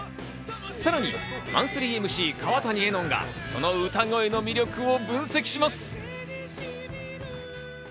さらにマンスリーＭＣ・川谷絵音がその歌声の魅力を分析します。